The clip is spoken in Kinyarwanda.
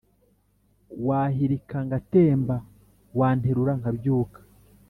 Wahirika ngatemba Wanterura nkabyuka